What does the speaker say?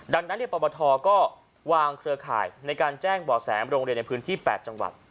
ดังนั้นปปทก็วางเครือข่ายในการแจ้งบ่อแสโรงเรียนในพื้นที่๘จังหวัด